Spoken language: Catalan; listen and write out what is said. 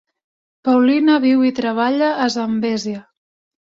Paulina viu i treballa a Zambézia.